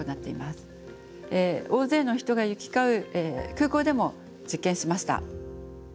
大勢の人が行き交う空港でも実験しました。